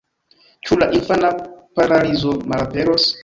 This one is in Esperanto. Ĉu la infana paralizo malaperos?